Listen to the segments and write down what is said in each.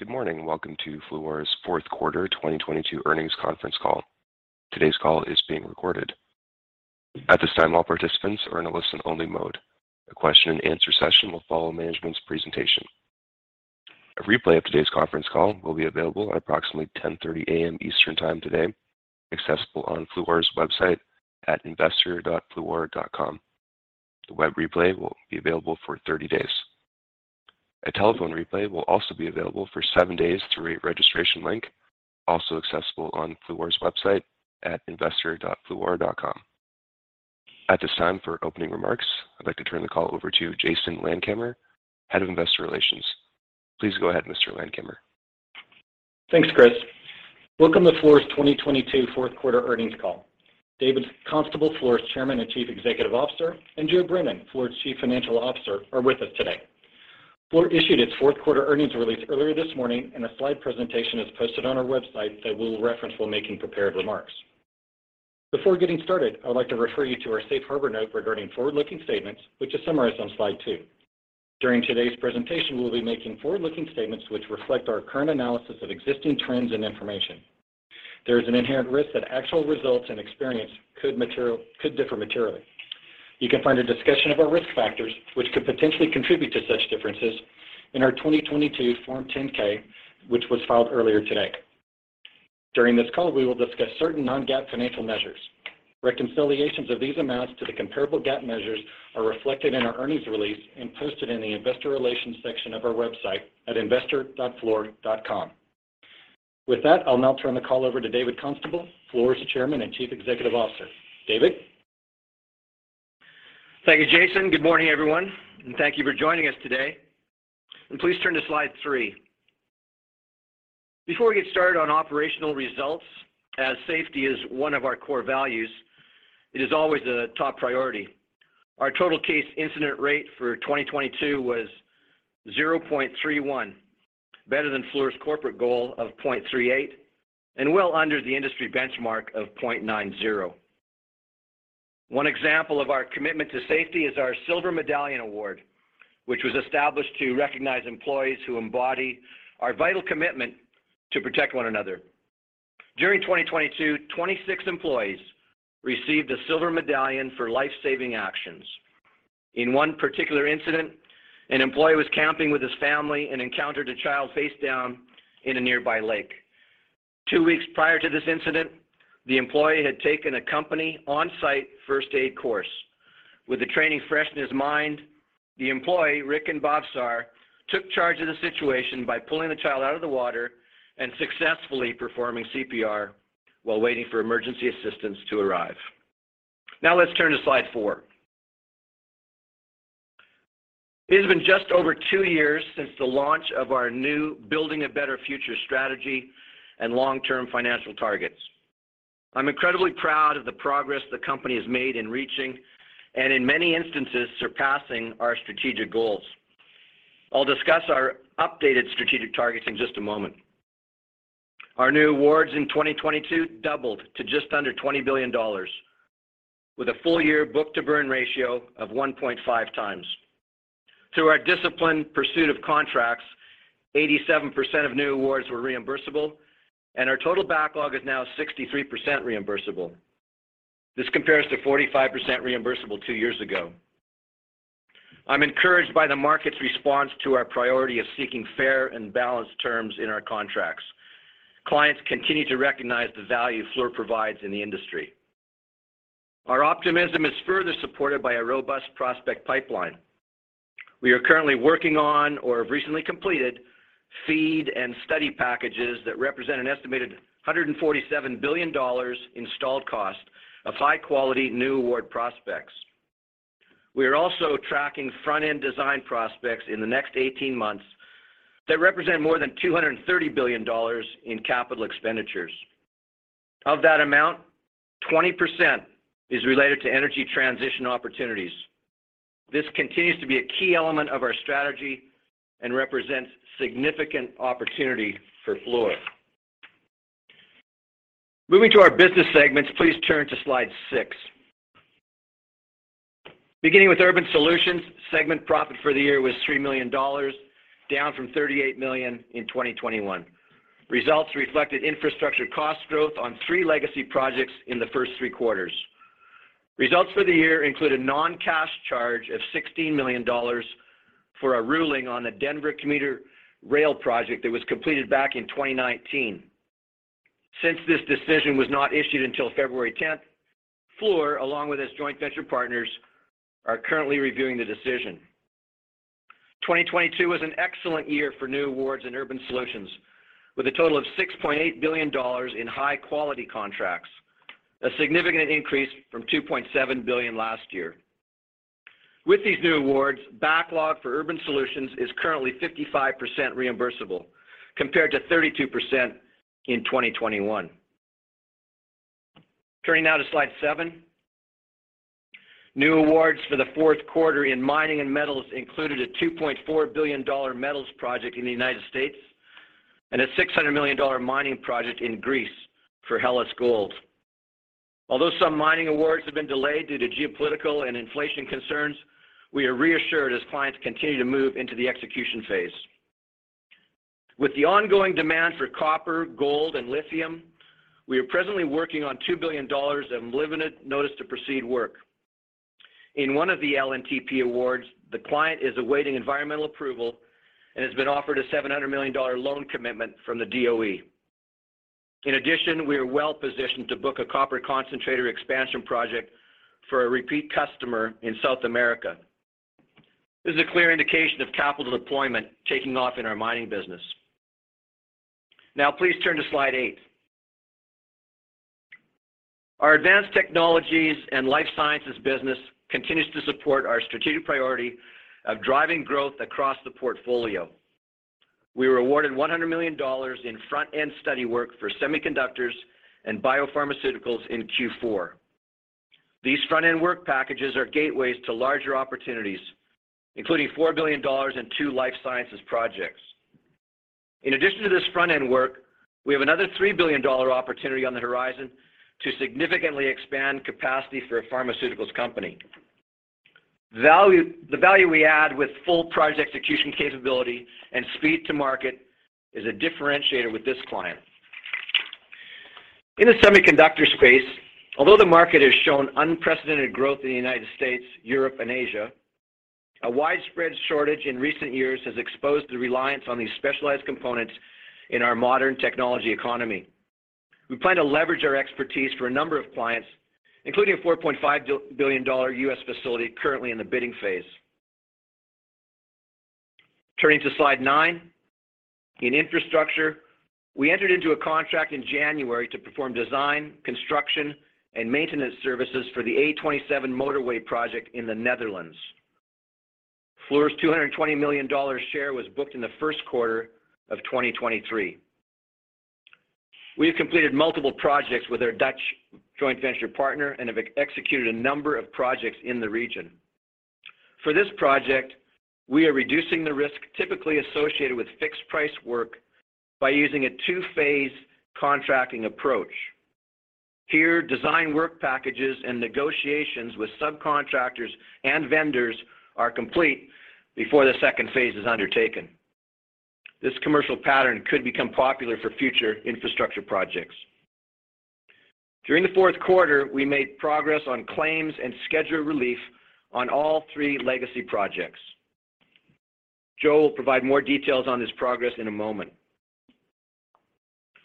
Good morning. Welcome to Fluor's fourth quarter 2022 earnings conference call. Today's call is being recorded. At this time, all participants are in a listen-only mode. A question-and-answer session will follow management's presentation. A replay of today's conference call will be available at approximately 10:30 A.M. Eastern time today, accessible on Fluor's website at investor.fluor.com. The web replay will be available for 30 days. A telephone replay will also be available for seven days through a registration link, also accessible on Fluor's website at investor.fluor.com. At this time, for opening remarks, I'd like to turn the call over to Jason Landkamer, Head of Investor Relations. Please go ahead, Mr. Landkamer. Thanks, Chris. Welcome to Fluor's 2022 fourth quarter earnings call. David Constable, Fluor's Chairman and Chief Executive Officer, and Joe Brennan, Fluor's Chief Financial Officer, are with us today. Fluor issued its fourth quarter earnings release earlier this morning, a slide presentation is posted on our website that we'll reference while making prepared remarks. Before getting started, I'd like to refer you to our Safe Harbor note regarding forward-looking statements, which is summarized on slide two. During today's presentation, we'll be making forward-looking statements which reflect our current analysis of existing trends and information. There is an inherent risk that actual results and experience could differ materially. You can find a discussion of our risk factors, which could potentially contribute to such differences, in our 2022 Form 10-K, which was filed earlier today. During this call, we will discuss certain non-GAAP financial measures. Reconciliations of these amounts to the comparable GAAP measures are reflected in our earnings release and posted in the investor relations section of our website at investor.fluor.com. I'll now turn the call over to David Constable, Fluor's Chairman and Chief Executive Officer. David? Thank you, Jason. Good morning, everyone, and thank you for joining us today. Please turn to slide three. Before we get started on operational results, as safety is one of our core values, it is always a top priority. Our Total Case Incident Rate for 2022 was 0.31, better than Fluor's corporate goal of 0.38 and well under the industry benchmark of 0.90. One example of our commitment to safety is our Silver Medallion award, which was established to recognize employees who embody our vital commitment to protect one another. During 2022, 26 employees received a Silver Medallion for life-saving actions. In one particular incident, an employee was camping with his family and encountered a child face down in a nearby lake. Two weeks prior to this incident, the employee had taken a company on-site first aid course. With the training fresh in his mind, the employee, Rick [Andbobsar], took charge of the situation by pulling the child out of the water and successfully performing CPR while waiting for emergency assistance to arrive. Let's turn to slide four. It has been just over two years since the launch of our new Building a Better Future strategy and long-term financial targets. I'm incredibly proud of the progress the company has made in reaching, and in many instances, surpassing our strategic goals. I'll discuss our updated strategic targets in just a moment. Our new awards in 2022 doubled to just under $20 billion with a full-year book-to-burn ratio of 1.5x. Through our disciplined pursuit of contracts, 87% of new awards were reimbursable, and our total backlog is now 63% reimbursable. This compares to 45% reimbursable two years ago. I'm encouraged by the market's response to our priority of seeking fair and balanced terms in our contracts. Clients continue to recognize the value Fluor provides in the industry. Our optimism is further supported by a robust prospect pipeline. We are currently working on or have recently completed FEED and study packages that represent an estimated $147 billion installed cost of high-quality new award prospects. We are also tracking front-end design prospects in the next 18 months that represent more than $230 billion in capital expenditures. Of that amount, 20% is related to energy transition opportunities. This continues to be a key element of our strategy and represents significant opportunity for Fluor. Moving to our business segments, please turn to slide six. Beginning with urban solutions, segment profit for the year was $3 million, down from $38 million in 2021. Results reflected infrastructure cost growth on three legacy projects in the 1st 3 quarters. Results for the year include a non-cash charge of $16 million for a ruling on a Denver commuter rail project that was completed back in 2019. Since this decision was not issued until February 10, Fluor, along with its joint venture partners, are currently reviewing the decision. 2022 was an excellent year for new awards in urban solutions, with a total of $6.8 billion in high-quality contracts, a significant increase from $2.7 billion last year. With these new awards, backlog for urban solutions is currently 55% reimbursable, compared to 32% in 2021. Turning now to slide seven. New awards for the fourth quarter in mining and metals included a $2.4 billion metals project in the United States and a $600 million mining project in Greece for Hellas Gold. Some mining awards have been delayed due to geopolitical and inflation concerns, we are reassured as clients continue to move into the execution phase. With the ongoing demand for copper, gold, and lithium, we are presently working on $2 billion of limited notice to proceed work. In one of the LNTP awards, the client is awaiting environmental approval and has been offered a $700 million loan commitment from the DOE. We are well-positioned to book a copper concentrator expansion project for a repeat customer in South America. This is a clear indication of capital deployment taking off in our mining business. Please turn to slide eight. Our Advanced Technologies & Life Sciences business continues to support our strategic priority of driving growth across the portfolio. We were awarded $100 million in front-end study work for semiconductors and biopharmaceuticals in Q4. These front-end work packages are gateways to larger opportunities, including $4 billion in two life sciences projects. In addition to this front-end work, we have another $3 billion opportunity on the horizon to significantly expand capacity for a pharmaceuticals company. The value we add with full project execution capability and speed to market is a differentiator with this client. In the semiconductor space, although the market has shown unprecedented growth in the United States, Europe, and Asia, a widespread shortage in recent years has exposed the reliance on these specialized components in our modern technology economy. We plan to leverage our expertise for a number of clients, including a $4.5 billion U.S. facility currently in the bidding phase. Turning to slide nine. In infrastructure, we entered into a contract in January to perform design, construction, and maintenance services for the A27 motorway project in the Netherlands. Fluor's $220 million share was booked in the first quarter of 2023. We have completed multiple projects with our Dutch joint venture partner and have executed a number of projects in the region. For this project, we are reducing the risk typically associated with fixed price work by using a two-phase contracting approach. Design work packages and negotiations with subcontractors and vendors are complete before the second phase is undertaken. This commercial pattern could become popular for future infrastructure projects. During the fourth quarter, we made progress on claims and schedule relief on all three legacy projects. Joe will provide more details on this progress in a moment.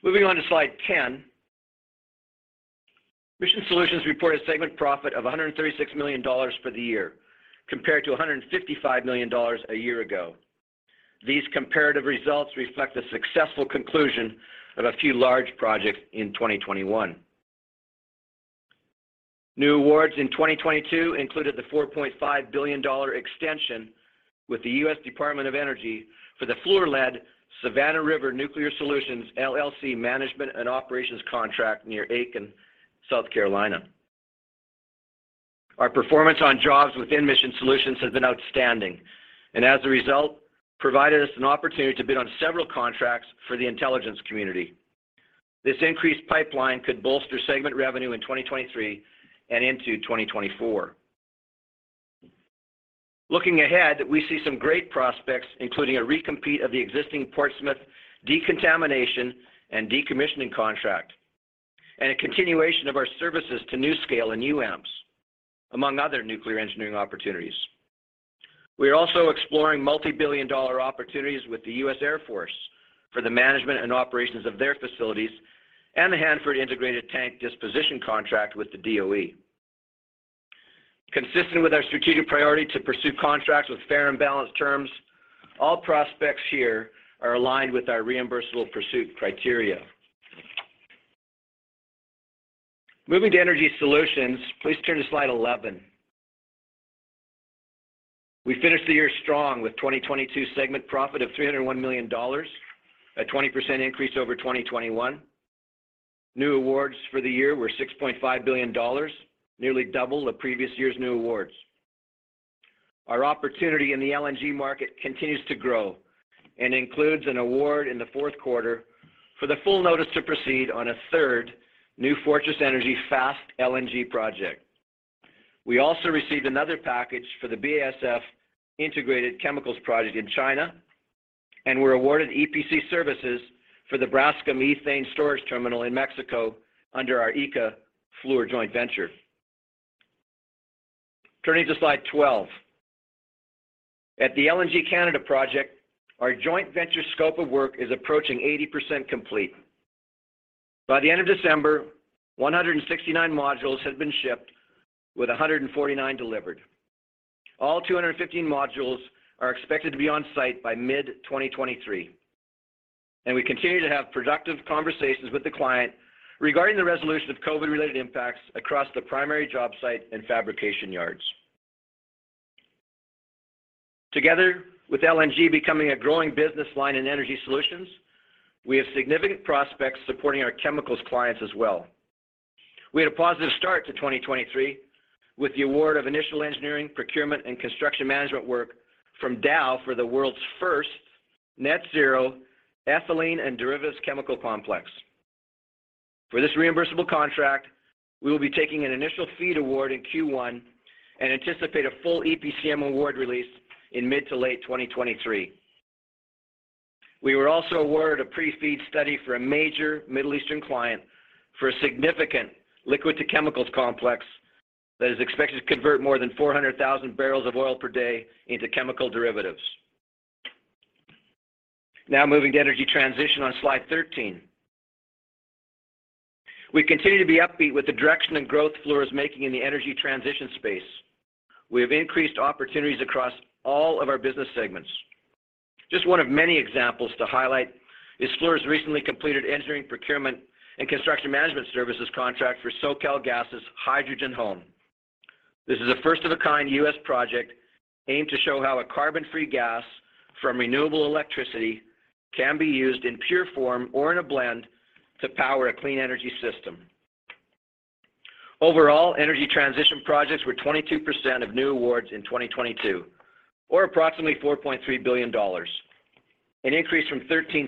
Moving on to slide 10. mission solutions reported segment profit of $136 million for the year, compared to $155 million a year ago. These comparative results reflect the successful conclusion of a few large projects in 2021. New awards in 2022 included the $4.5 billion extension with the U.S. Department of Energy for the Fluor lead Savannah River Nuclear Solutions, LLC management and operations contract near Aiken, South Carolina. Our performance on jobs within mission solutions has been outstanding, as a result, provided us an opportunity to bid on several contracts for the intelligence community. This increased pipeline could bolster segment revenue in 2023 and into 2024. Looking ahead, we see some great prospects, including a recompete of the existing Portsmouth decontamination and decommissioning contract, and a continuation of our services to NuScale and UAMPS, among other nuclear engineering opportunities. We are also exploring multi-billion dollar opportunities with the U.S. Air Force for the management and operations of their facilities and the Hanford Integrated Tank Disposition contract with the DOE. Consistent with our strategic priority to pursue contracts with fair and balanced terms, all prospects here are aligned with our reimbursable pursuit criteria. Moving to energy solutions, please turn to slide 11. We finished the year strong with 2022 segment profit of $301 million, a 20% increase over 2021. New awards for the year were $6.5 billion, nearly double the previous year's new awards. Our opportunity in the LNG market continues to grow and includes an award in the fourth quarter for the full notice to proceed on a third New Fortress Energy Fast LNG project. We also received another package for the BASF Integrated Chemicals project in China, and were awarded EPC services for the Braskem Ethane Storage Terminal in Mexico under our ICA Fluor joint venture. Turning to slide 12. At the LNG Canada project, our joint venture scope of work is approaching 80% complete. By the end of December, 169 modules had been shipped, with 149 delivered. All 215 modules are expected to be on site by mid-2023, and we continue to have productive conversations with the client regarding the resolution of COVID-related impacts across the primary job site and fabrication yards. Together with LNG becoming a growing business line in energy solutions, we have significant prospects supporting our chemicals clients as well. We had a positive start to 2023 with the award of initial engineering, procurement, and construction management work from Dow for the world's first net-zero ethylene and derivatives chemical complex. For this reimbursable contract, we will be taking an initial FEED award in Q1 and anticipate a full EPCM award release in mid to late 2023. We were also awarded a pre-FEED study for a major Middle Eastern client for a significant liquid to chemicals complex that is expected to convert more than 400,000 barrels of oil per day into chemical derivatives. Moving to energy transition on slide 13. We continue to be upbeat with the direction and growth Fluor is making in the energy transition space. We have increased opportunities across all of our business segments. Just one of many examples to highlight is Fluor's recently completed engineering procurement and construction management services contract for SoCalGas' Hydrogen Home. This is a first of a kind U.S. project aimed to show how a carbon-free gas from renewable electricity can be used in pure form or in a blend to power a clean energy system. Overall, energy transition projects were 22% of new awards in 2022 or approximately $4.3 billion, an increase from 13%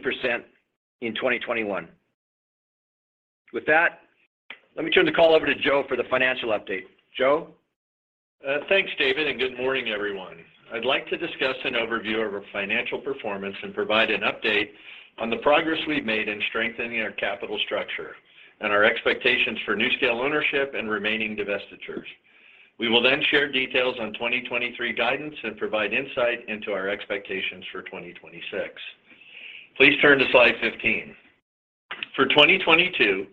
in 2021. With that, let me turn the call over to Joe for the financial update. Joe? Thanks, David, and good morning, everyone. I'd like to discuss an overview of our financial performance and provide an update on the progress we've made in strengthening our capital structure and our expectations for NuScale ownership and remaining divestitures. We will share details on 2023 guidance and provide insight into our expectations for 2026. Please turn to slide 15. For 2022,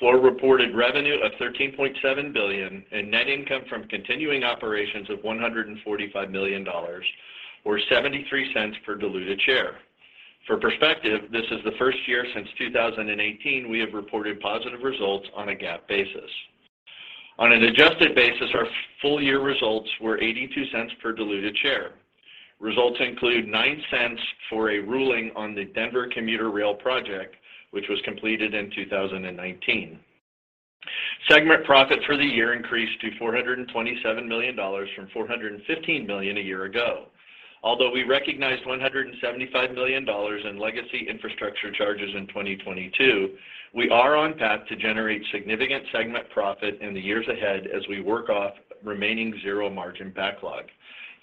Fluor reported revenue of $13.7 billion and net income from continuing operations of $145 million or $0.73 per diluted share. For perspective, this is the first year since 2018 we have reported positive results on a GAAP basis. On an adjusted basis, our full year results were $0.82 per diluted share. Results include $0.09 for a ruling on the Denver commuter rail project, which was completed in 2019. Segment profit for the year increased to $427 million from $415 million a year ago. Although we recognized $175 million in legacy infrastructure charges in 2022, we are on path to generate significant segment profit in the years ahead as we work off remaining zero margin backlog.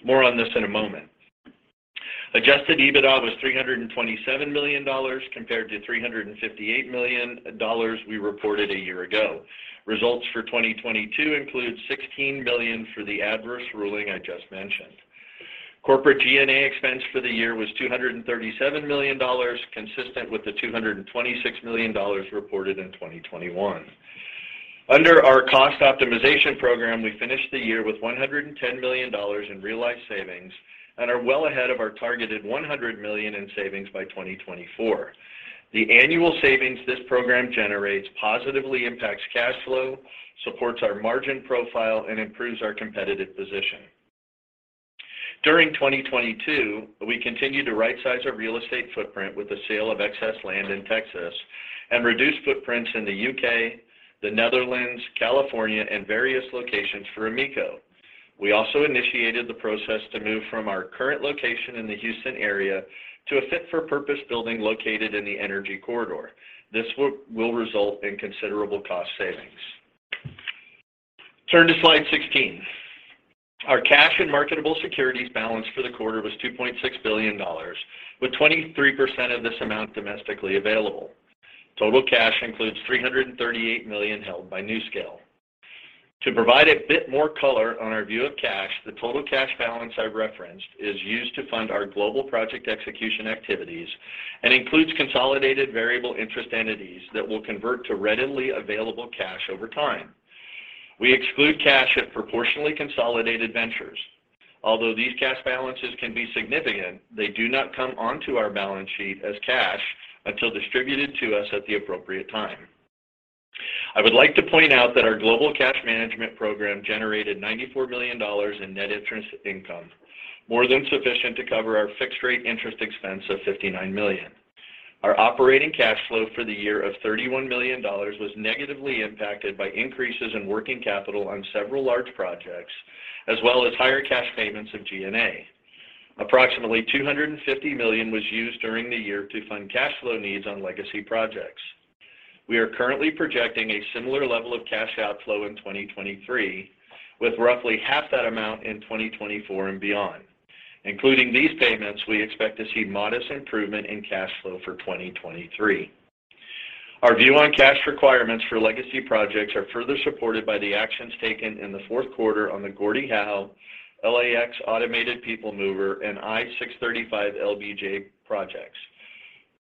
More on this in a moment. Adjusted EBITDA was $327 million compared to $358 million we reported a year ago. Results for 2022 include $16 million for the adverse ruling I just mentioned. Corporate G&A expense for the year was $237 million, consistent with the $226 million reported in 2021. Under our cost optimization program, we finished the year with $110 million in realized savings and are well ahead of our targeted $100 million in savings by 2024. The annual savings this program generates positively impacts cash flow, supports our margin profile, and improves our competitive position. During 2022, we continued to right size our real estate footprint with the sale of excess land in Texas and reduced footprints in the U.K., the Netherlands, California, and various locations for AMECO. We also initiated the process to move from our current location in the Houston area to a fit for purpose building located in the energy corridor. This will result in considerable cost savings. Turn to slide 16. Our cash and marketable securities balance for the quarter was $2.6 billion, with 23% of this amount domestically available. Total cash includes $338 million held by NuScale. To provide a bit more color on our view of cash, the total cash balance I've referenced is used to fund our global project execution activities and includes consolidated variable interest entities that will convert to readily available cash over time. We exclude cash at proportionally consolidated ventures. Although these cash balances can be significant, they do not come onto our balance sheet as cash until distributed to us at the appropriate time. I would like to point out that our global cash management program generated $94 million in net interest income, more than sufficient to cover our fixed rate interest expense of $59 million. Our operating cash flow for the year of $31 million was negatively impacted by increases in working capital on several large projects, as well as higher cash payments of G&A. Approximately $250 million was used during the year to fund cash flow needs on legacy projects. We are currently projecting a similar level of cash outflow in 2023, with roughly half that amount in 2024 and beyond. Including these payments, we expect to see modest improvement in cash flow for 2023. Our view on cash requirements for legacy projects are further supported by the actions taken in the fourth quarter on the Gordie Howe, LAX Automated People Mover, and I-635 LBJ projects.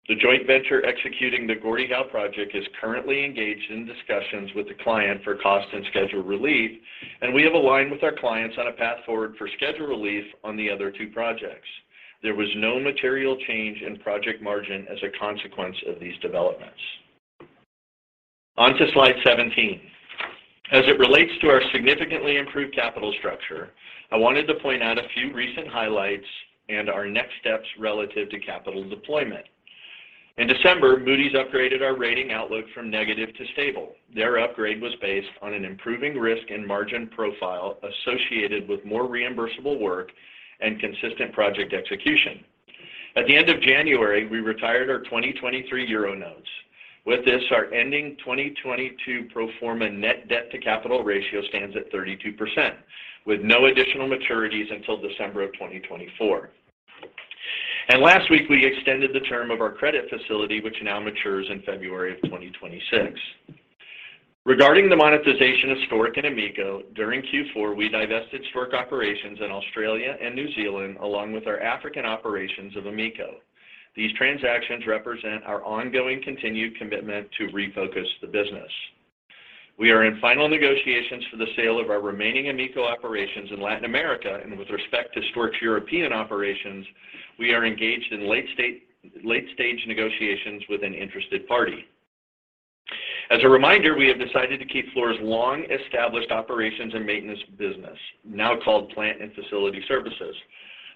The joint venture executing the Gordie Howe project is currently engaged in discussions with the client for cost and schedule relief, and we have aligned with our clients on a path forward for schedule relief on the other two projects. There was no material change in project margin as a consequence of these developments. On to slide 17. As it relates to our significantly improved capital structure, I wanted to point out a few recent highlights and our next steps relative to capital deployment. In December, Moody's upgraded our rating outlook from negative to stable. Their upgrade was based on an improving risk and margin profile associated with more reimbursable work and consistent project execution. At the end of January, we retired our 2023 euro notes. With this, our ending 2022 pro forma net debt to capital ratio stands at 32%, with no additional maturities until December of 2024. Last week, we extended the term of our credit facility, which now matures in February of 2026. Regarding the monetization of Stork and AMECO, during Q4, we divested Stork operations in Australia and New Zealand, along with our African operations of AMECO. These transactions represent our ongoing continued commitment to refocus the business. We are in final negotiations for the sale of our remaining AMECO operations in Latin America. With respect to Stork's European operations, we are engaged in late stage negotiations with an interested party. As a reminder, we have decided to keep Fluor's long-established operations and maintenance business, now called Plant and Facility Services.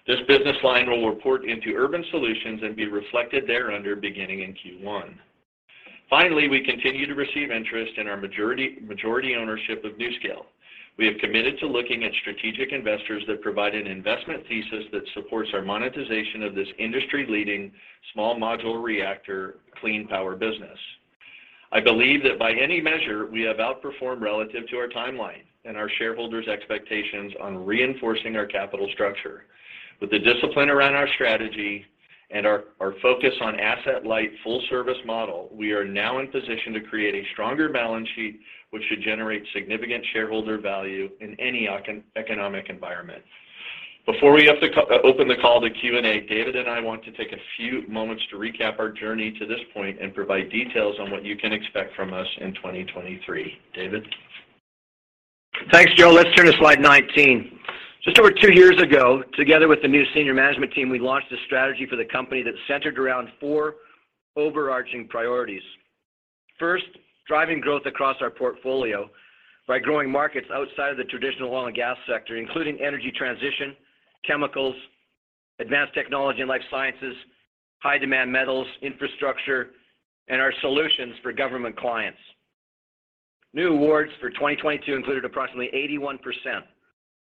This business line will report into urban solutions and be reflected thereunder beginning in Q1. Finally, we continue to receive interest in our majority ownership of NuScale. We have committed to looking at strategic investors that provide an investment thesis that supports our monetization of this industry-leading small module reactor clean power business. I believe that by any measure, we have outperformed relative to our timeline and our shareholders' expectations on reinforcing our capital structure. With the discipline around our strategy and our focus on asset-light, full-service model, we are now in position to create a stronger balance sheet, which should generate significant shareholder value in any economic environment. Before we open the call to Q&A, David and I want to take a few moments to recap our journey to this point and provide details on what you can expect from us in 2023. David? Thanks, Joe. Let's turn to slide 19. Just over two years ago, together with the new senior management team, we launched a strategy for the company that centered around four overarching priorities. First, driving growth across our portfolio by growing markets outside of the traditional oil and gas sector, including energy transition, chemicals, advanced technology and life sciences, high-demand metals, infrastructure, and our solutions for government clients. New awards for 2022 included approximately 81%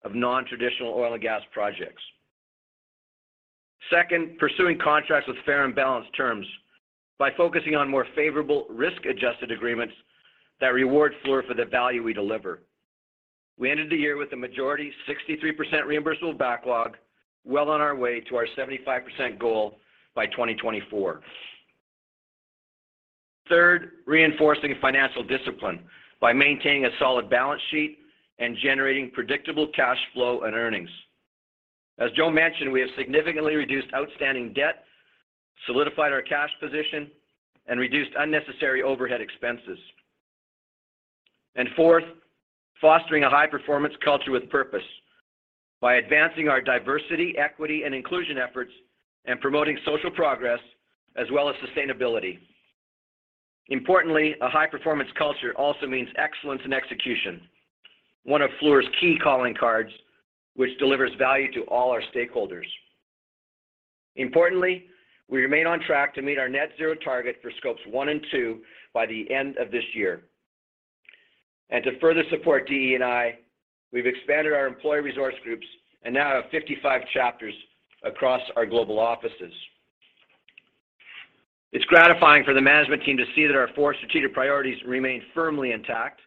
of non-traditional oil and gas projects. Second, pursuing contracts with fair and balanced terms by focusing on more favorable risk-adjusted agreements that reward Fluor for the value we deliver. We ended the year with a majority 63% reimbursable backlog, well on our way to our 75% goal by 2024. Third, reinforcing financial discipline by maintaining a solid balance sheet and generating predictable cash flow and earnings. As Joe mentioned, we have significantly reduced outstanding debt, solidified our cash position, and reduced unnecessary overhead expenses. Fourth, fostering a high-performance culture with purpose by advancing our diversity, equity, and inclusion efforts and promoting social progress as well as sustainability. Importantly, a high-performance culture also means excellence in execution, one of Fluor's key calling cards, which delivers value to all our stakeholders. Importantly, we remain on track to meet our net-zero target for Scopes 1 and 2 by the end of this year. To further support DE&I, we've expanded our employee resource groups and now have 55 chapters across our global offices. It's gratifying for the management team to see that our four strategic priorities remain firmly intact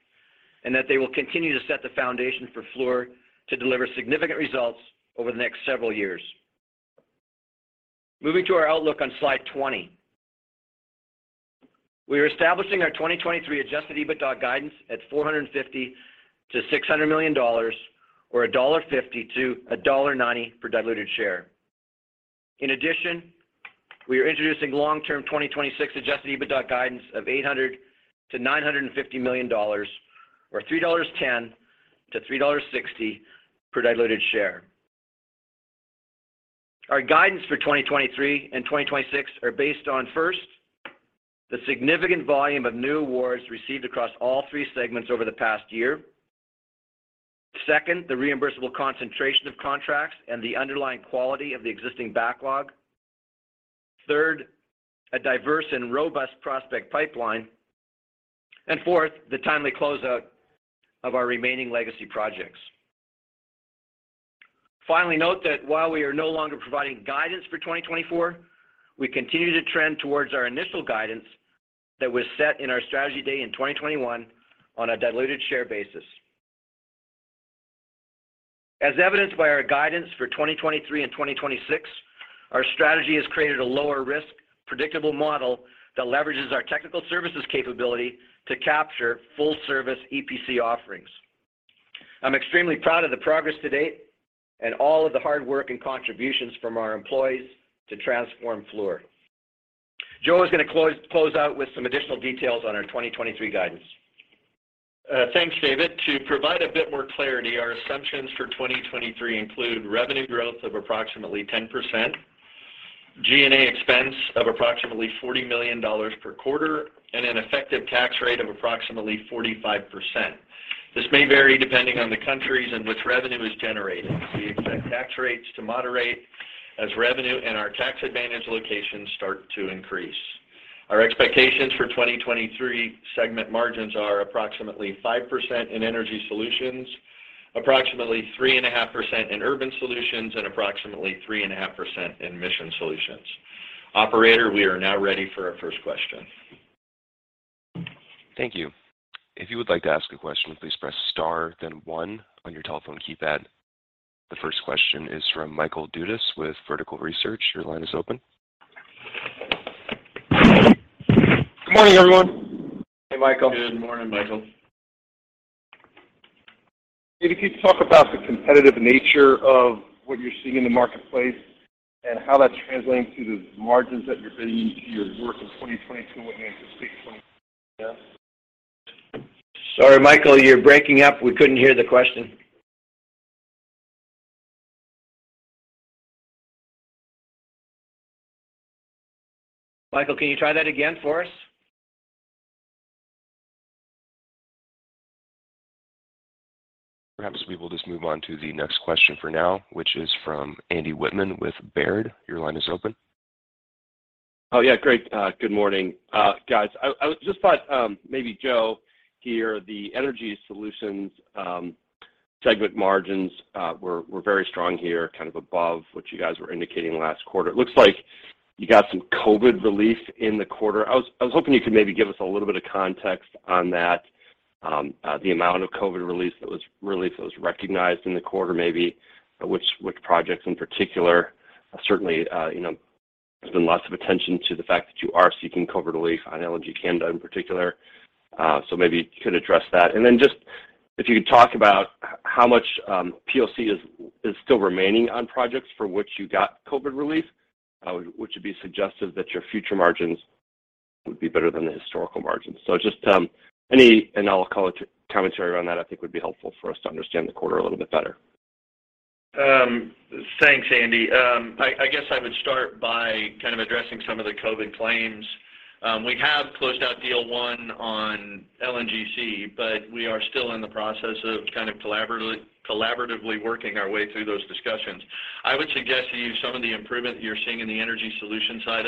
and that they will continue to set the foundation for Fluor to deliver significant results over the next several years. Moving to our outlook on slide 20. We are establishing our 2023 adjusted EBITDA guidance at $450 million-$600 million or $1.50-$1.90 per diluted share. In addition, we are introducing long-term 2026 adjusted EBITDA guidance of $800 million-$950 million or $3.10-$3.60 per diluted share. Our guidance for 2023 and 2026 are based on, first, the significant volume of new awards received across all three segments over the past year. Second, the reimbursable concentration of contracts and the underlying quality of the existing backlog. Third, a diverse and robust prospect pipeline. Fourth, the timely closeout of our remaining legacy projects. Finally, note that while we are no longer providing guidance for 2024, we continue to trend towards our initial guidance that was set in our strategy day in 2021 on a diluted share basis. As evidenced by our guidance for 2023 and 2026, our strategy has created a lower-risk, predictable model that leverages our technical services capability to capture full-service EPC offerings. I'm extremely proud of the progress to date and all of the hard work and contributions from our employees to transform Fluor. Joe is going to close out with some additional details on our 2023 guidance. Thanks, David. To provide a bit more clarity, our assumptions for 2023 include revenue growth of approximately 10%, G&A expense of approximately $40 million per quarter, and an effective tax rate of approximately 45%. This may vary depending on the countries in which revenue is generated. We expect tax rates to moderate as revenue in our tax advantage locations start to increase. Our expectations for 2023 segment margins are approximately 5% in energy solutions, approximately 3.5% in urban solutions, and approximately 3.5% in mission solutions. Operator, we are now ready for our first question. Thank you. If you would like to ask a question, please press star, then one on your telephone keypad. The first question is from Michael Dudas with Vertical Research. Your line is open. Good morning, everyone. Hey, Michael. Good morning, Michael. If you could talk about the competitive nature of what you're seeing in the marketplace and how that's translating to the margins that you're bidding into your work in 2022 and what you anticipate in 2023? Sorry, Michael, you're breaking up. We couldn't hear the question. Michael, can you try that again for us? Perhaps we will just move on to the next question for now, which is from Andrew Wittmann with Baird. Your line is open. Oh, yeah. Great. Good morning. Guys, I just thought maybe Joe here, the energy solutions segment margins were very strong here, kind of above what you guys were indicating last quarter. It looks like you got some COVID relief in the quarter. I was hoping you could maybe give us a little bit of context on that, the amount of COVID relief that was recognized in the quarter, maybe which projects in particular. Certainly, you know, there's been lots of attention to the fact that you are seeking COVID relief on LNG Canada in particular, so maybe you could address that. Just if you could talk about how much POC is still remaining on projects for which you got COVID relief, which would be suggestive that your future margins would be better than the historical margins. Just, any analytical commentary around that I think would be helpful for us to understand the quarter a little bit better. Thanks, Andy. I guess I would start by kind of addressing some of the COVID claims. We have closed out deal one on LNGC, but we are still in the process of kind of collaboratively working our way through those discussions. I would suggest to you some of the improvement you're seeing in the energy solutions side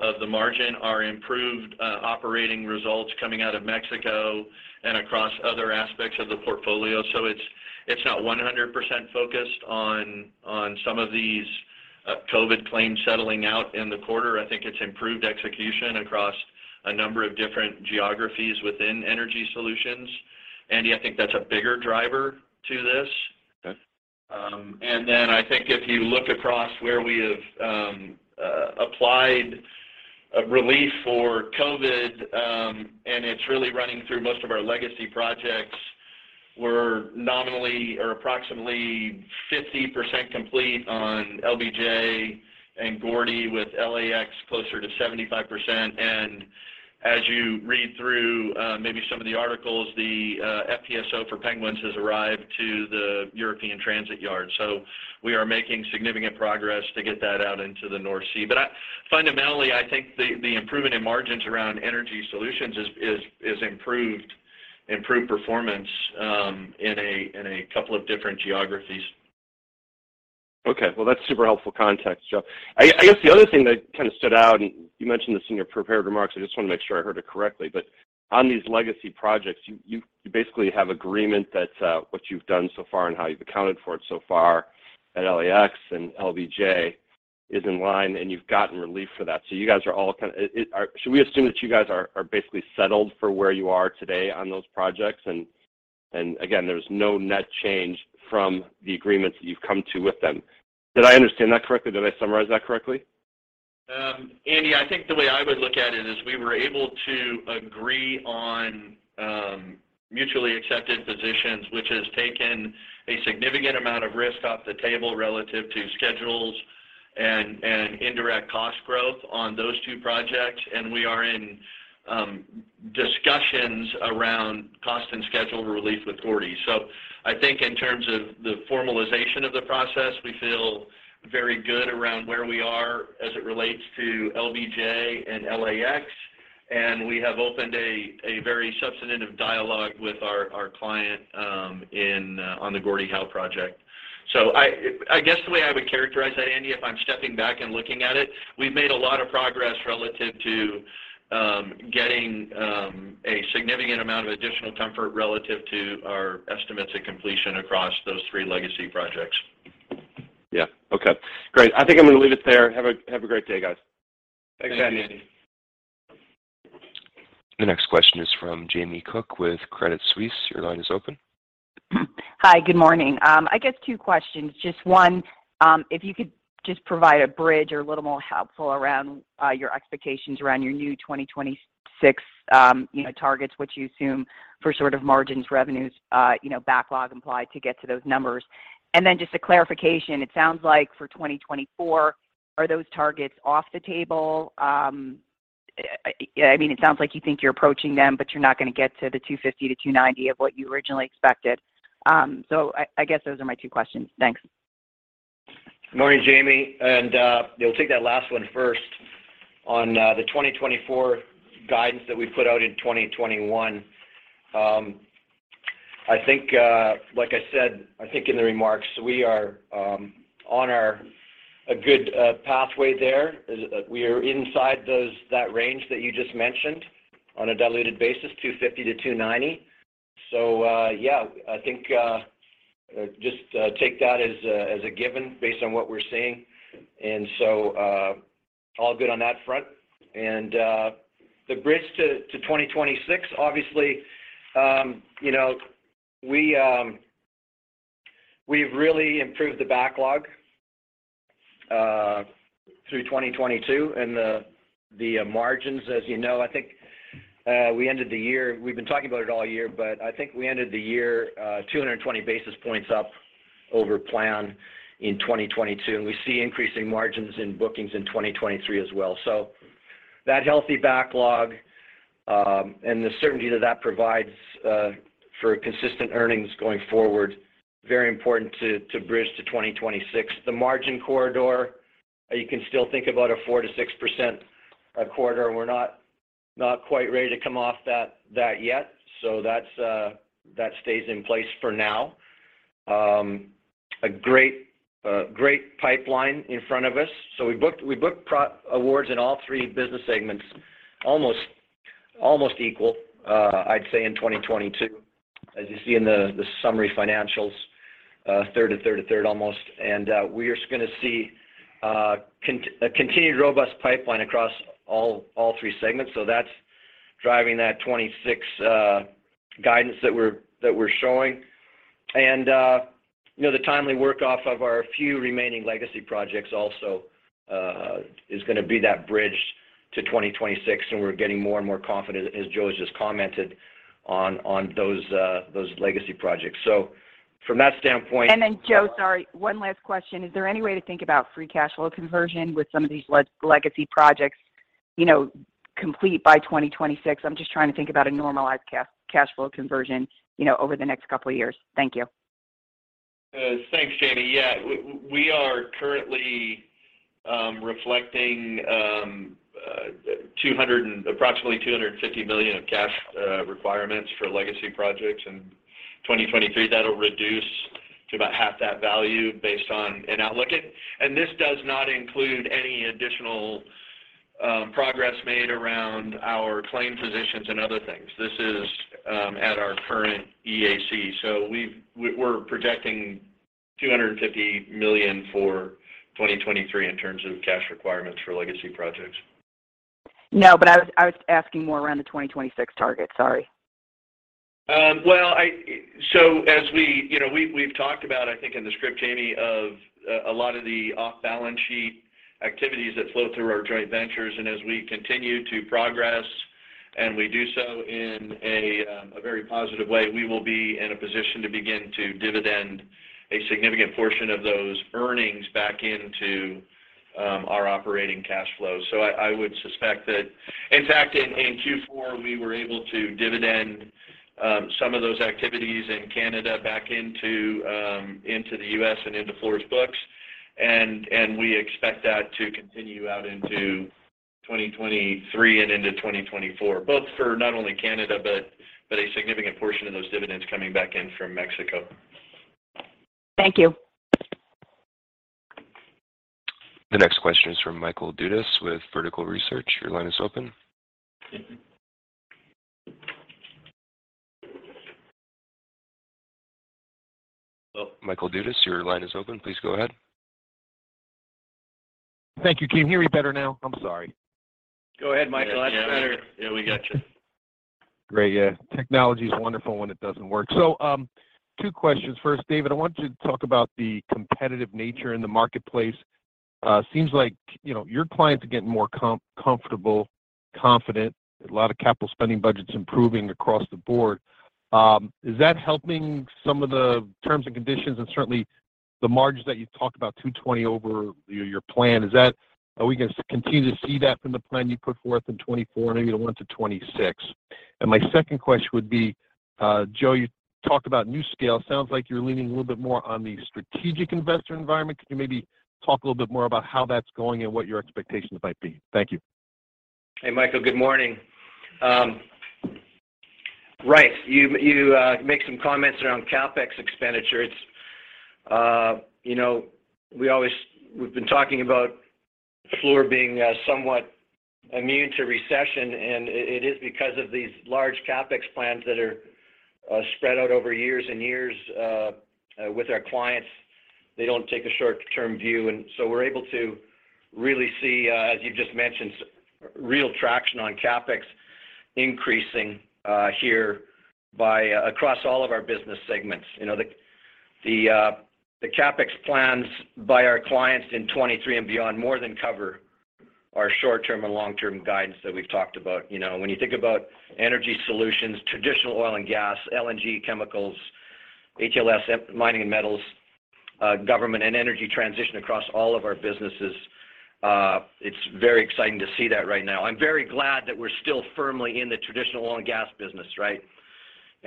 of the margin are improved operating results coming out of Mexico and across other aspects of the portfolio. It's not 100% focused on some of these COVID claims settling out in the quarter. I think it's improved execution across a number of different geographies within energy solutions. Andy, I think that's a bigger driver to this. Okay. I think if you look across where we have applied a relief for COVID, and it's really running through most of our legacy projects, we're nominally or approximately 50% complete on LBJ and Gordie with LAX closer to 75%. As you read through maybe some of the articles, the FPSO for Penguins has arrived to the European Transit Yard. We are making significant progress to get that out into the North Sea. Fundamentally, I think the improvement in margins around energy solutions is improved performance in a couple of different geographies. Okay. Well, that's super helpful context, Joe. I guess the other thing that kind of stood out, and you mentioned this in your prepared remarks, I just want to make sure I heard it correctly. On these legacy projects, you basically have agreement that what you've done so far and how you've accounted for it so far at LAX and LBJ is in line, and you've gotten relief for that. Are should we assume that you guys are basically settled for where you are today on those projects? Again, there's no net change from the agreements that you've come to with them. Did I understand that correctly? Did I summarize that correctly? Andy, I think the way I would look at it is we were able to agree on mutually accepted positions, which has taken a significant amount of risk off the table relative to schedules and indirect cost growth on those two projects. We are in discussions around cost and schedule relief with Gordie. I think in terms of the formalization of the process, we feel very good around where we are as it relates to LBJ and LAX, and we have opened a very substantive dialogue with our client on the Gordie Howe project. I guess the way I would characterize that, Andy, if I'm stepping back and looking at it, we've made a lot of progress relative to getting a significant amount of additional comfort relative to our estimates at completion across those three legacy projects. Yeah. Okay. Great. I think I'm gonna leave it there. Have a great day, guys. Thanks, Andy. The next question is from Jamie Cook with Credit Suisse. Your line is open. Hi. Good morning. I guess two questions. Just one, if you could just provide a bridge or a little more helpful around your expectations around your new 2026 targets, which you assume for sort of margins, revenues, backlog implied to get to those numbers. Just a clarification. It sounds like for 2024, are those targets off the table? I mean, it sounds like you think you're approaching them, but you're not gonna get to the $250 million-$290 million of what you originally expected. I guess those are my two questions. Thanks. Morning, Jamie. We'll take that last one first on the 2024 guidance that we put out in 2021. I think, like I said, I think in the remarks, we are on our a good pathway there. We are inside those, that range that you just mentioned on a diluted basis, $250 million-$290 million. Yeah, I think, just take that as a given based on what we're seeing. All good on that front. The bridge to 2026, obviously, you know, we've really improved the backlog through 2022 and the margins, as you know. I think, we ended the year. We've been talking about it all year, I think we ended the year, 220 basis points up over plan in 2022, and we see increasing margins in bookings in 2023 as well. That healthy backlog, and the certainty that provides for consistent earnings going forward, very important to bridge to 2026. The margin corridor, you can still think about a 4%-6% corridor. We're not quite ready to come off that yet. That stays in place for now. A great pipeline in front of us. We booked pro- awards in all three business segments, almost equal, I'd say in 2022. As you see in the summary financials, third to third to third almost. We are gonna see continued robust pipeline across all three segments. That's driving that 2026 guidance that we're showing. You know, the timely work off of our few remaining legacy projects also is gonna be that bridge to 2026, and we're getting more and more confident as Joe has just commented on those legacy projects. From that standpoint... Joe, sorry, one last question. Is there any way to think about free cash flow conversion with some of these legacy projects, you know, complete by 2026? I'm just trying to think about a normalized cash flow conversion, you know, over the next couple of years. Thank you. Thanks, Jamie. Yeah. We are currently reflecting approximately $250 million of cash requirements for legacy projects in 2023. That'll reduce to about half that value based on an outlook. This does not include any additional progress made around our claim positions and other things. This is at our current EAC. We're projecting $250 million for 2023 in terms of cash requirements for legacy projects. No, but I was asking more around the 2026 target. Sorry. Well, as we, you know, we've talked about, I think in the script, Jamie, a lot of the off-balance sheet activities that flow through our joint ventures. As we continue to progress, and we do so in a very positive way, we will be in a position to begin to dividend a significant portion of those earnings back into our operating cash flows. I would suspect that. In fact, in Q4, we were able to dividend some of those activities in Canada back into the U.S. and into Fluor's books, and we expect that to continue out into 2023 and into 2024, both for not only Canada, but a significant portion of those dividends coming back in from Mexico. Thank you. The next question is from Michael Dudas with Vertical Research. Your line is open. Hello? Michael Dudas, your line is open. Please go ahead. Thank you. Can you hear me better now? I'm sorry. Go ahead, Michael. That's better. Yeah, we got you. Great. Yeah. Technology is wonderful when it doesn't work. Two questions. First, David, I want you to talk about the competitive nature in the marketplace. seems like, you know, your clients are getting more comfortable, confident, a lot of capital spending budgets improving across the board. is that helping some of the terms and conditions and certainly the margins that you talked about, 220 over your plan? Are we gonna continue to see that from the plan you put forth in 2024, maybe to 2026? My second question would be, Joe, you talked about NuScale. Sounds like you're leaning a little bit more on the strategic investor environment. Could you maybe talk a little bit more about how that's going and what your expectations might be? Thank you. Hey, Michael. Good morning. Right. You make some comments around CapEx expenditures. You know, we've been talking about Fluor being somewhat immune to recession, and it is because of these large CapEx plans that are spread out over years and years with our clients. They don't take a short-term view. We're able to really see, as you've just mentioned, real traction on CapEx increasing across all of our business segments. You know, the CapEx plans by our clients in 2023 and beyond more than cover our short-term and long-term guidance that we've talked about. You know, when you think about energy solutions, traditional oil and gas, LNG, chemicals, HLS, mining and metals, government and energy transition across all of our businesses, it's very exciting to see that right now. I'm very glad that we're still firmly in the traditional oil and gas business, right?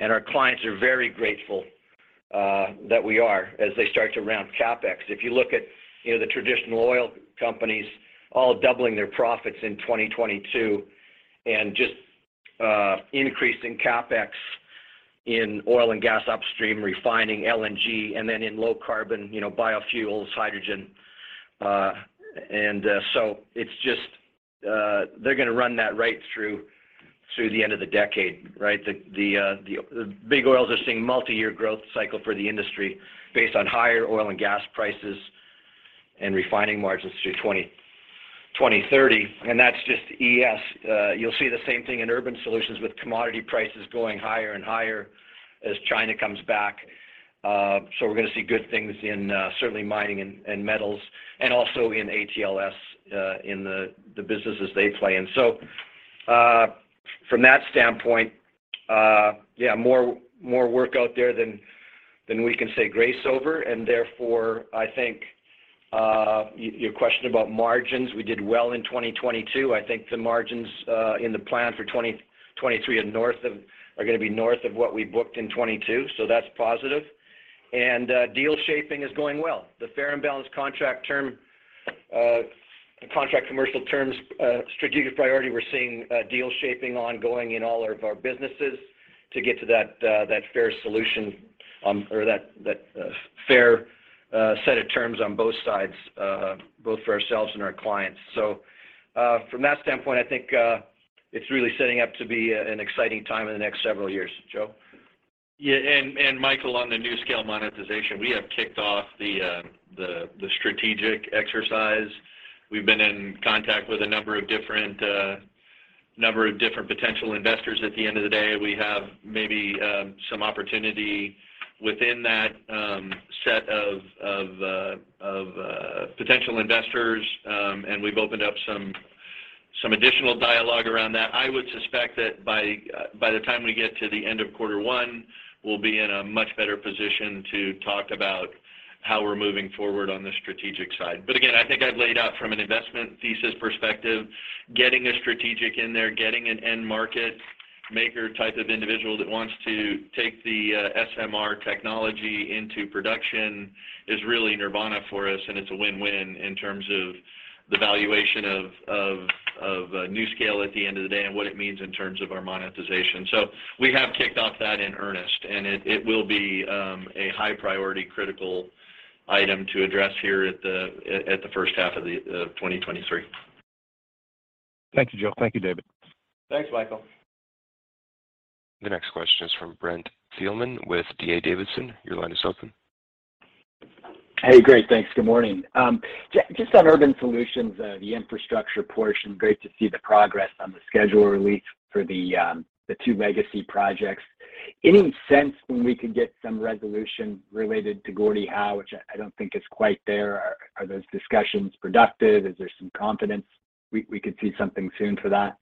Our clients are very grateful that we are as they start to ramp CapEx. If you look at, you know, the traditional oil companies all doubling their profits in 2022 and just increasing CapEx in oil and gas upstream refining LNG and then in low carbon, you know, biofuels, hydrogen. It's just they're gonna run that right through the end of the decade, right? The big oils are seeing multiyear growth cycle for the industry based on higher oil and gas prices and refining margins through 2030. That's just ES. You'll see the same thing in urban solutions with commodity prices going higher and higher as China comes back. We're gonna see good things in certainly mining and metals and also in ATLS in the businesses they play in. From that standpoint, yeah, more work out there than we can say grace over. Therefore, I think your question about margins, we did well in 2022. I think the margins in the plan for 2023 are gonna be north of what we booked in 2022, so that's positive. Deal shaping is going well. The fair and balanced contract term, contract commercial terms, strategic priority, we're seeing deal shaping ongoing in all of our businesses to get to that fair solution, or that fair set of terms on both sides, both for ourselves and our clients. From that standpoint, I think, it's really setting up to be an exciting time in the next several years. Joe? Michael, on the NuScale monetization, we have kicked off the strategic exercise. We've been in contact with a number of different potential investors. At the end of the day, we have maybe some opportunity within that set of potential investors. We've opened up some additional dialogue around that. I would suspect that by the time we get to the end of quarter 1, we'll be in a much better position to talk about how we're moving forward on the strategic side. Again, I think I've laid out from an investment thesis perspective, getting a strategic in there, getting an end market maker type of individual that wants to take the SMR technology into production is really nirvana for us, and it's a win-win in terms of the valuation of NuScale at the end of the day and what it means in terms of our monetization. We have kicked off that in earnest, and it will be a high priority critical item to address here at the first half of 2023. Thank you, Joe. Thank you, David. Thanks, Michael. The next question is from Brent Thielman with D.A. Davidson. Your line is open. Hey. Great. Thanks. Good morning. Just on urban solutions, the infrastructure portion, great to see the progress on the schedule release for the two legacy projects. Any sense when we could get some resolution related to Gordie Howe, which I don't think is quite there. Are those discussions productive? Is there some confidence we could see something soon for that?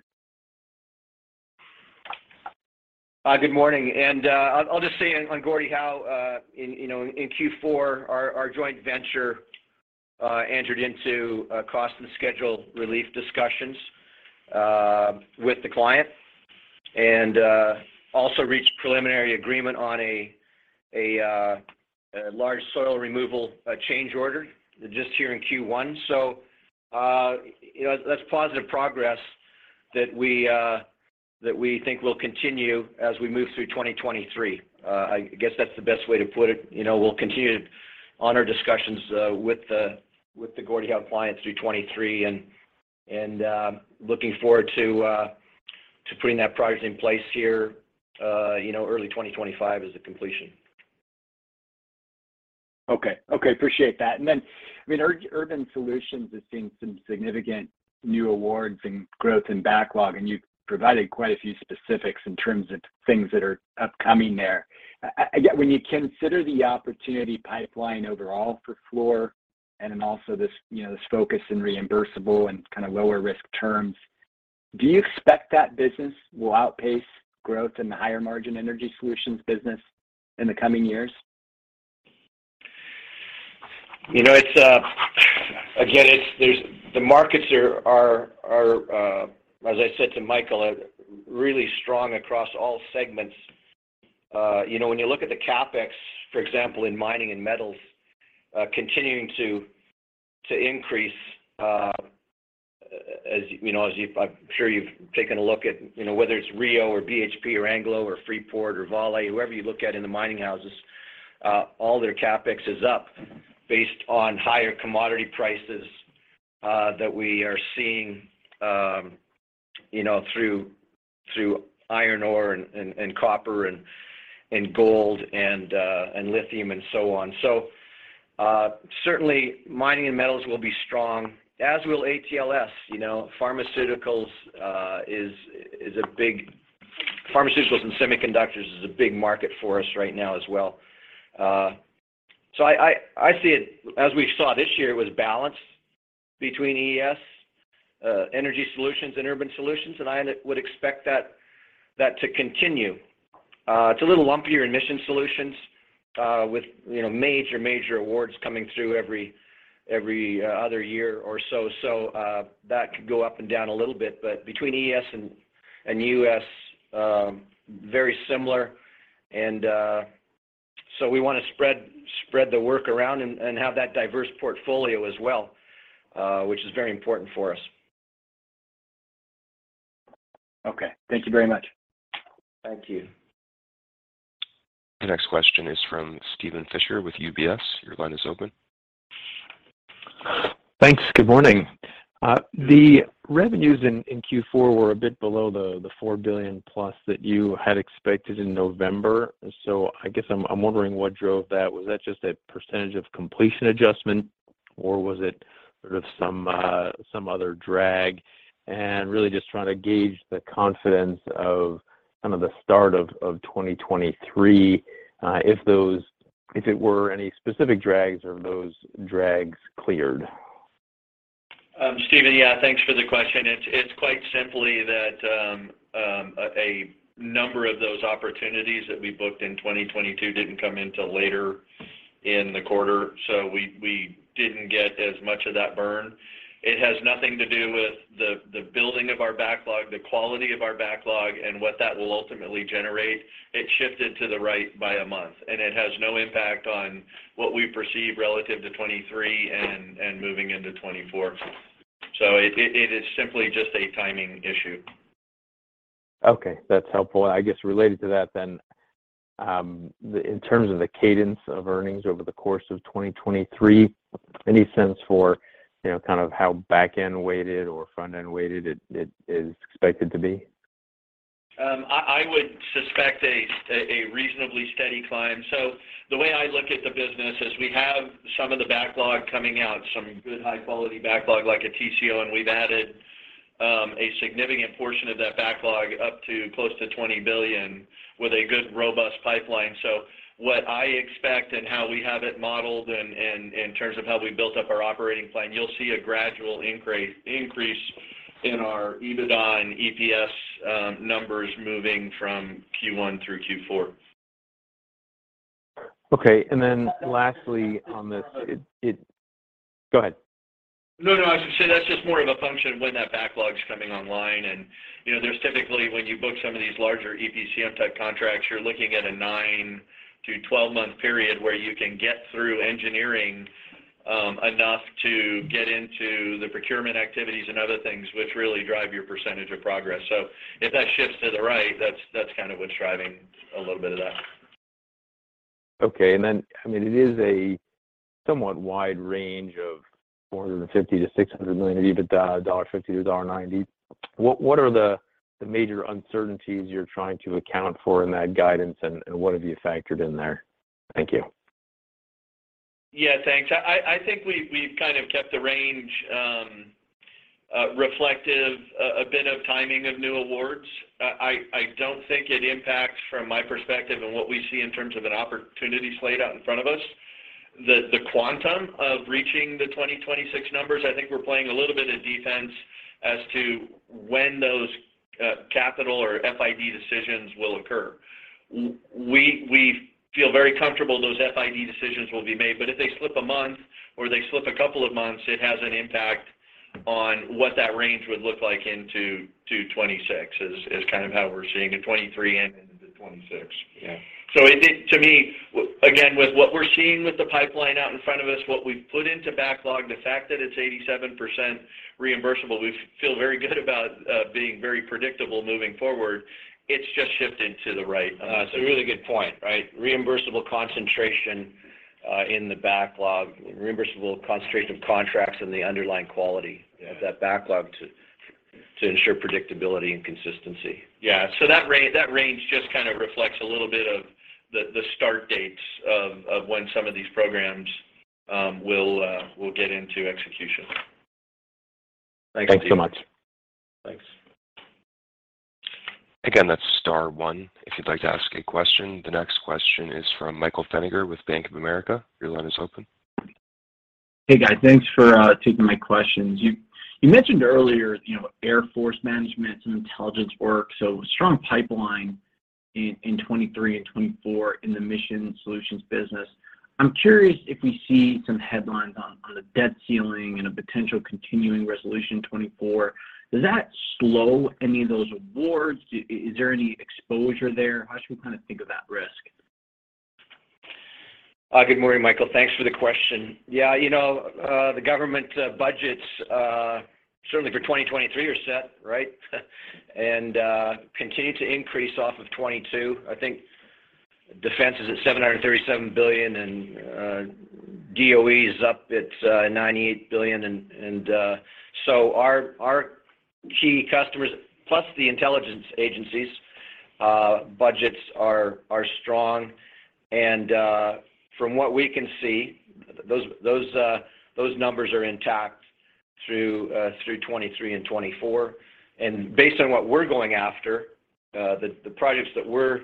Good morning. I'll just say on Gordie Howe, in, you know, in Q4, our joint venture entered into cost and schedule relief discussions with the client, and also reached preliminary agreement on a large soil removal change order just here in Q1. You know, that's positive progress that we think will continue as we move through 2023. I guess that's the best way to put it. You know, we'll continue to honor discussions with the Gordie Howe clients through 2023 and looking forward to putting that project in place here, you know, early 2025 as a completion. Okay. Okay. Appreciate that. Then, I mean, urban solutions is seeing some significant new awards and growth and backlog, and you've provided quite a few specifics in terms of things that are upcoming there. Again, when you consider the opportunity pipeline overall for Fluor and then also this, you know, this focus in reimbursable and kind of lower risk terms, do you expect that business will outpace growth in the higher margin energy solutions business in the coming years? You know, it's again, there's the markets are, as I said to Michael, are really strong across all segments. You know, when you look at the CapEx, for example, in mining and metals, continuing to increase, as you know, as you I'm sure you've taken a look at, you know, whether it's Rio or BHP or Anglo or Freeport or Vale, whoever you look at in the mining houses, all their CapEx is up based on higher commodity prices that we are seeing, you know, through iron ore and copper and gold and lithium and so on. Certainly, mining and metals will be strong, as will ATLS. You know, pharmaceuticals and semiconductors is a big market for us right now as well. I see it as we saw this year, it was balanced between ES, energy solutions and urban solutions, and I would expect that to continue. It's a little lumpier in mission solutions. With, you know, major awards coming through every other year or so. That could go up and down a little bit. Between ES and US, very similar and we wanna spread the work around and have that diverse portfolio as well, which is very important for us. Okay. Thank you very much. Thank you. The next question is from Steven Fisher with UBS. Your line is open. Thanks. Good morning. The revenues in Q4 were a bit below the $4 billion+ that you had expected in November. I guess I'm wondering what drove that. Was that just a percentage of completion adjustment, or was it sort of some other drag? Really just trying to gauge the confidence of kind of the start of 2023, if it were any specific drags or those drags cleared. Steven, yeah. Thanks for the question. It's quite simply that a number of those opportunities that we booked in 2022 didn't come in till later in the quarter, we didn't get as much of that burn. It has nothing to do with the building of our backlog, the quality of our backlog, and what that will ultimately generate. It shifted to the right by a month, it has no impact on what we perceive relative to 2023 and moving into 2024. It is simply just a timing issue. Okay. That's helpful. I guess related to that then, in terms of the cadence of earnings over the course of 2023, any sense for, you know, kind of how backend weighted or frontend weighted it is expected to be? I would suspect a reasonably steady climb. The way I look at the business is we have some of the backlog coming out, some good high quality backlog like at TCO, and we've added a significant portion of that backlog up to close to $20 billion with a good robust pipeline. What I expect and how we have it modeled in terms of how we built up our operating plan, you'll see a gradual increase in our EBITDA and EPS numbers moving from Q1 through Q4. Okay. Lastly on this, it. Go ahead. No, no. As I said, that's just more of a function of when that backlog's coming online. You know, there's typically, when you book some of these larger EPCM type contracts, you're looking at a 9 to 12-month period where you can get through engineering enough to get into the procurement activities and other things which really drive your percentage of progress. If that shifts to the right, that's kind of what's driving a little bit of that. Okay. I mean, it is a somewhat wide range of $450 million-$600 million of EBITDA, $1.50-$1.90. What are the major uncertainties you're trying to account for in that guidance and what have you factored in there? Thank you. Yeah, thanks. I think we've kind of kept the range reflective a bit of timing of new awards. I don't think it impacts from my perspective and what we see in terms of an opportunity slate out in front of us. The quantum of reaching the 2026 numbers, I think we're playing a little bit of defense as to when those capital or FID decisions will occur. We feel very comfortable those FID decisions will be made, but if they slip one month or they slip two months, it has an impact on what that range would look like into 2026 is kind of how we're seeing it, 2023 into 2026. Yeah. It is, to me, again, with what we're seeing with the pipeline out in front of us, what we've put into backlog, the fact that it's 87% reimbursable, we feel very good about being very predictable moving forward. It's just shifted to the right. It's a really good point, right? Reimbursable concentration in the backlog, reimbursable concentration of contracts and the underlying quality. Yeah of that backlog to ensure predictability and consistency. Yeah. That range just kind of reflects a little bit of the start dates of when some of these programs will get into execution. Thanks so much. Thanks. Again, that's star one if you'd like to ask a question. The next question is from Michael Feniger with Bank of America. Your line is open. Hey, guys. Thanks for taking my questions. You mentioned earlier, you know, Air Force management and intelligence work, strong pipeline in 2023 and 2024 in the mission solutions business. I'm curious if we see some headlines on the debt ceiling and a potential continuing resolution in 2024, does that slow any of those awards? Is there any exposure there? How should we kinda think of that risk? Good morning, Michael. Thanks for the question. Yeah, you know, the government budgets certainly for 2023 are set, right? Continue to increase off of 2022. I think defense is at $737 billion and DOE is up at $98 billion. Our key customers plus the intelligence agencies' budgets are strong. From what we can see, those numbers are intact through 2023 and 2024. Based on what we're going after, the projects that we're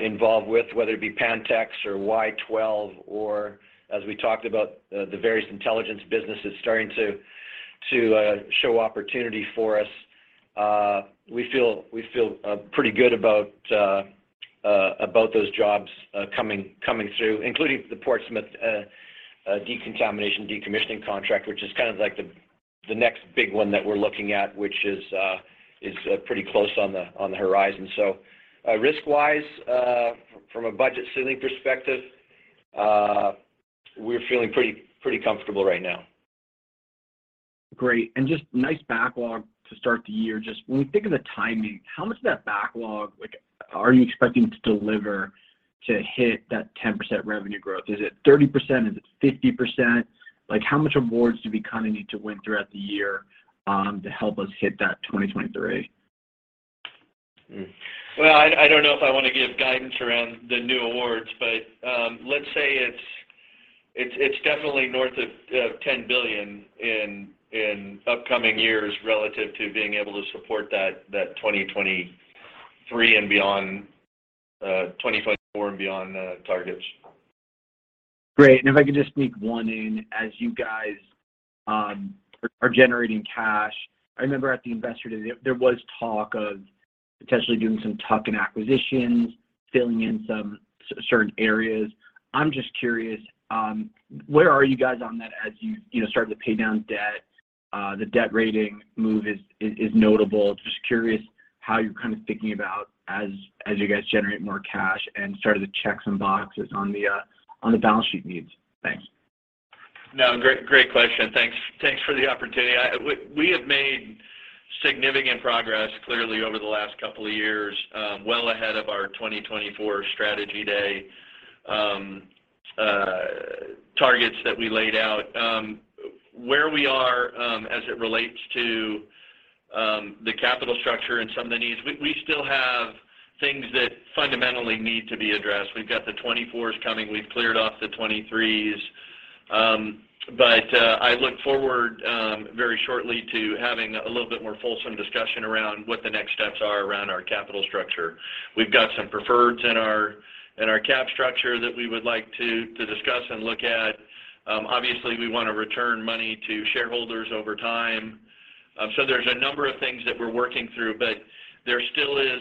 involved with, whether it be Pantex or Y-12, or as we talked about, the various intelligence businesses starting to show opportunity for us, we feel pretty good about those jobs coming through, including the Portsmouth decontamination/decommissioning contract, which is kind of like the next big one that we're looking at, which is pretty close on the horizon. Risk-wise, from a budget ceiling perspective, we're feeling pretty comfortable right now. Great. Just nice backlog to start the year. Just when we think of the timing, how much of that backlog, like are you expecting to deliver to hit that 10% revenue growth? Is it 30%? Is it 50%? Like, how much awards do we kind of need to win throughout the year to help us hit that 2023? I don't know if I wanna give guidance around the new awards, but, let's say it's definitely north of $10 billion in upcoming years relative to being able to support that 2023 and beyond, 2024 and beyond targets. Great. If I could just sneak one in. As you guys are generating cash, I remember at the investor day there was talk of potentially doing some tuck-in acquisitions, filling in some certain areas. I'm just curious where are you guys on that as you know, start to pay down debt? The debt rating move is notable. Just curious how you're kind of thinking about as you guys generate more cash and start to check some boxes on the balance sheet needs. Thanks. No, great question. Thanks for the opportunity. We have made significant progress clearly over the last couple of years, well ahead of our 2024 strategy day targets that we laid out. Where we are as it relates to the capital structure and some of the needs, we still have things that fundamentally need to be addressed. We've got the 2024s coming. We've cleared off the 2023s. I look forward very shortly to having a little bit more fulsome discussion around what the next steps are around our capital structure. We've got some preferreds in our cap structure that we would like to discuss and look at. Obviously, we wanna return money to shareholders over time. There's a number of things that we're working through, but there still is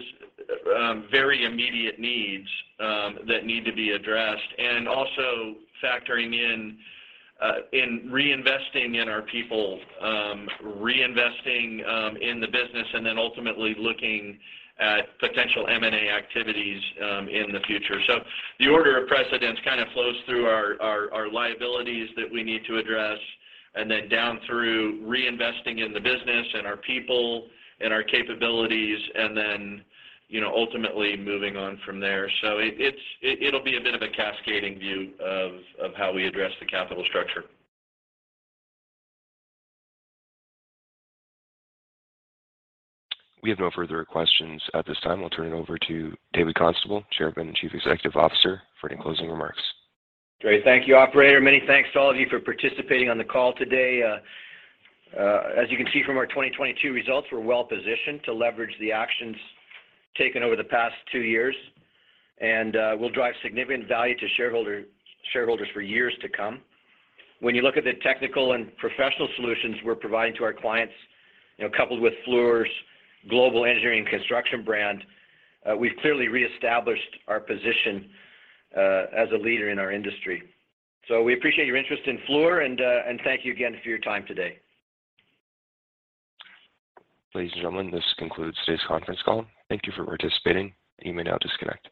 very immediate needs that need to be addressed and also factoring in reinvesting in our people, reinvesting in the business and then ultimately looking at potential M&A activities in the future. The order of precedence kind of flows through our liabilities that we need to address and then down through reinvesting in the business and our people and our capabilities and then, you know, ultimately moving on from there. It'll be a bit of a cascading view of how we address the capital structure. We have no further questions at this time. We'll turn it over to David Constable, Chairman and Chief Executive Officer for any closing remarks. Great. Thank you, operator. Many thanks to all of you for participating on the call today. As you can see from our 2022 results, we're well positioned to leverage the actions taken over the past two years, and we'll drive significant value to shareholders for years to come. When you look at the technical and professional solutions we're providing to our clients, you know, coupled with Fluor's global engineering construction brand, we've clearly reestablished our position as a leader in our industry. We appreciate your interest in Fluor and thank you again for your time today. Ladies and gentlemen, this concludes today's conference call. Thank you for participating. You may now disconnect.